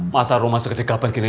masa rumah sakit kapan gini